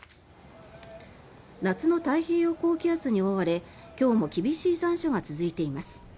夏の太平洋高気圧に覆われ今日も厳しい残暑が続いています。